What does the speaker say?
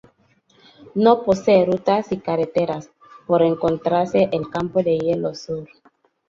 No posee rutas y carreteras, por encontrarse el Campo de Hielo Sur.